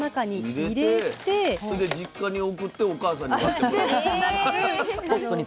それで実家に送ってお母さんに割ってもらう。